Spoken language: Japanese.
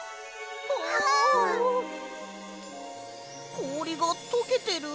こおりがとけてる！